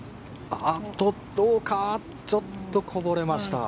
ちょっとこぼれました。